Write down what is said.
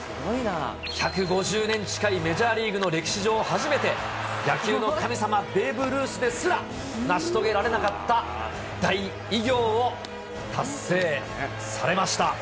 １５０年近いメジャーリーグの歴史上初めて、野球の神様、ベーブ・ルースですら成し遂げられなかった大偉業を達成されました。